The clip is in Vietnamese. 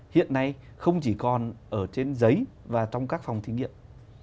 hiện nay không chỉ còn ở trên giấy và trong các phòng thí nghiệm